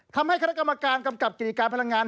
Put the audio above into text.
คณะกรรมการกำกับกิจการพลังงาน